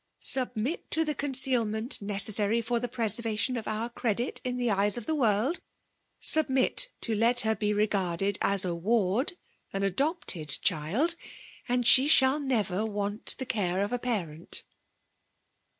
Submit to the eonoealment tMoessary fer the preservation of our credit in title eyes of tbe workl,' *8ubmit to let her be regarded ae award> — an adopted dnld, — and fllie shall ne^ffir want the care of a parent.